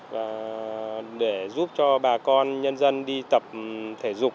và để giúp cho bà con nhân dân đi tập thể dục